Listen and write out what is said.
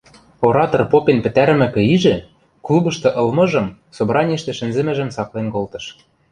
Оратор попен пӹтӓрӹмӹкӹ ижӹ, клубышты ылмыжым, собраниӹштӹ шӹнзӹмӹжӹм цаклен колтыш.